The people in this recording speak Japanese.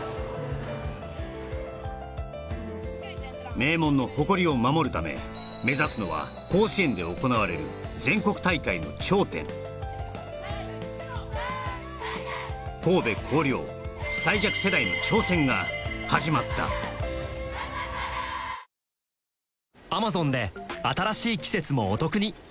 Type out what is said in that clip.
名門の誇りを守るため目指すのは甲子園で行われる全国大会の頂点神戸弘陵最弱世代の挑戦が始まった７月２３日